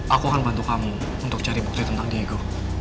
aku akan bantu kamu untuk cari bukti tentang diego